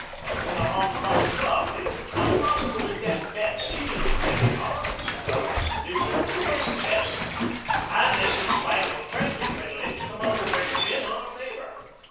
In the Hong Kong Club it was not possible to get bets, even at heavy odds, that our expedition would be a success, and this in spite of a friendly predilection among the Britrsh in our favor.